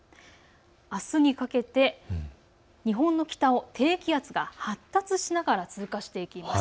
あすにかけて日本の北を低気圧が発達しながら通過していきます。